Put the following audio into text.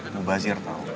mbak bazir tahu